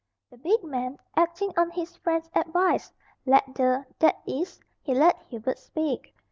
The big man, acting on his friend's advice, let the that is, he let Hubert speak.